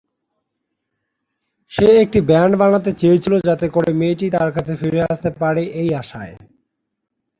সে একটি ব্যান্ড বানাতে চেয়েছিল যাতে করে মেয়েটি তার কাছে ফিরে আসতে পারে এই আশায়।